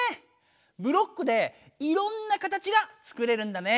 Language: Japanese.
ブロックでいろんな形がつくれるんだね。